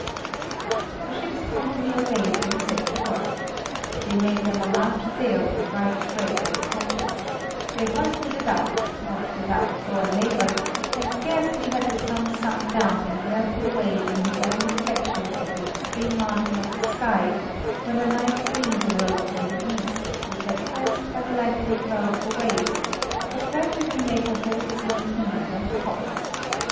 The ship's company obeyed and set to work. They made them a large sail of bright shreds and patches; they hoisted it up, not without sore labour; and scarcely had the sun sunk down and melted away in his own reflection at the extreme margin of the sky, when a light breeze arose in the east which at first but lightly curled the waves, but gradually made the whole sea heave and toss.